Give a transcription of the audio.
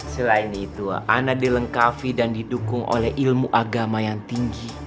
selain itu ana dilengkapi dan didukung oleh ilmu agama yang tinggi